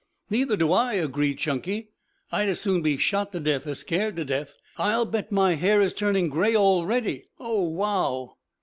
"Neither do I," agreed Chunky. "I'd as soon be shot to death as scared to death. I'll bet my hair is turning gray already. Oh, wow!"